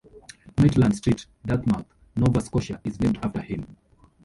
Maitland Street, Dartmouth, Nova Scotia is named after him.